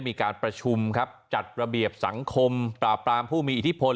มีการประชุมครับจัดระเบียบสังคมปราบปรามผู้มีอิทธิพล